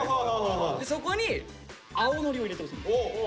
そこに青のりを入れてほしいんです。